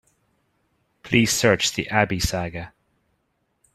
Please search the Abby saga.